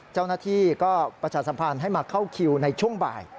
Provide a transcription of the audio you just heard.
เจ้าหน้าที่ก็ประชาสัมพันธ์ให้มาเข้าคิวในช่วงบ่าย